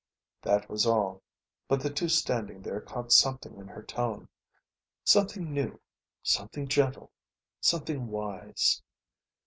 That was all. But the two standing there caught something in her tone. Something new, something gentle, something wise.